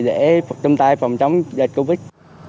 để phục trong tay phòng chống dịch covid